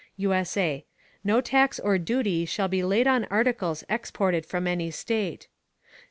[USA] No Tax or Duty shall be laid on Articles exported from any State.